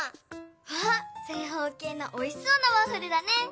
わぁ正方形のおいしそうなワッフルだね！